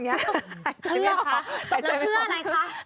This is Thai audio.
แต่เผื่ออะไรคะ